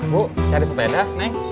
bu cari sepeda neng